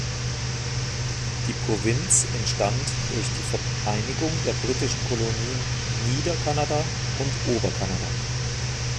Die Provinz entstand durch die Vereinigung der britischen Kolonien Niederkanada und Oberkanada.